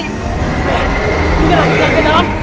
tidak tidak tidak